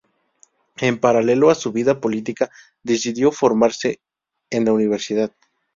En paralelo a su vida política decidió formarse en la universidad.